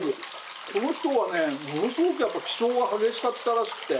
この人はねものすごく気性が激しかったらしくて。